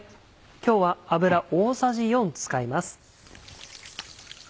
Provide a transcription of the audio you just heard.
今日は油大さじ４使います。